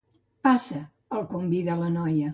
Passa —el convida la noia—.